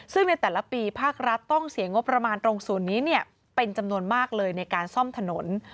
ซึ่งในแต่ละปีภาครัฐต้องเสียงบประมาณตรงศูนย์นี้เป็นจำนวนมากเลยในการซ่อมถนน